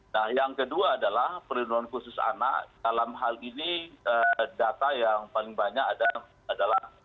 nah yang kedua adalah perlindungan khusus anak dalam hal ini data yang paling banyak adalah